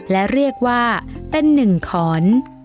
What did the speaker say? และเรียกว่าเป็น๑ขอน